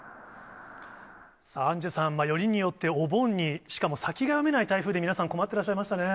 さあ、アンジュさん、よりによってお盆に、しかも先が読めない台風で、皆さん困ってらっしゃいましたね。